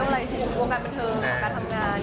วงการบันเทิงวงการทำงาน